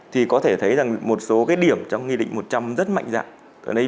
thì có thể thấy rằng một số cái điểm trong nghị định một trăm linh rất mạnh dạng